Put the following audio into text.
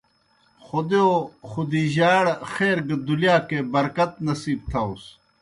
خودِیؤ خُدیجہؓ ئڑ خیر گہ دُلِیاکے برکت نصیب تھاؤس۔